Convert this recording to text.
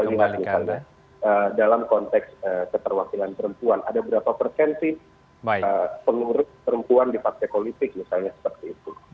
kita coba lihat misalnya dalam konteks keterwakilan perempuan ada berapa persensi pengurus perempuan di paket politik misalnya seperti itu